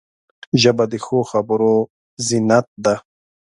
ژبه د ښو خبرو زینت ده